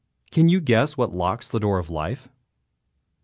Can you guess what locks the door of life?